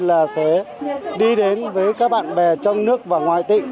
là sẽ đi đến với các bạn bè trong nước và ngoài tỉnh